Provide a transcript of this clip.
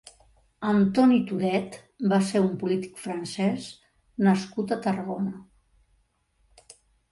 Antony Thouret va ser un polític francès nascut a Tarragona.